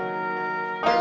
yang ini udah kecium